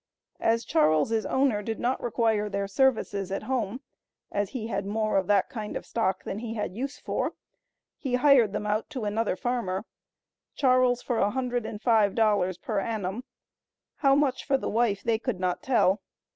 As Charles' owner did not require their services at home, as he had more of that kind of stock than he had use for he hired them out to another farmer Charles for $105 per annum; how much for the wife they could not tell.